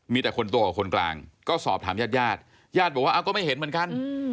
มีแต่คนโตกับคนกลางก็สอบถามญาติญาติบอกว่าก็ไม่เห็นเหมือนกัน